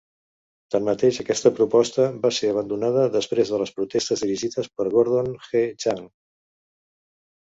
Tanmateix, aquesta proposta va ser abandonada després de les protestes dirigides per Gordon G. Chang.